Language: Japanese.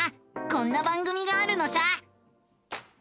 こんな番組があるのさ！